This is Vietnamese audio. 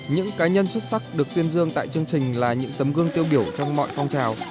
những cá nhân xuất sắc được tuyên dương tại chương trình là những tấm gương tiêu biểu trong mọi phong trào